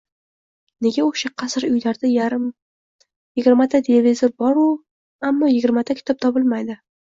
Nega o`sha qasr-uylarda yigirmata televizor bor-u, ammo yigirmata kitob topilmaydi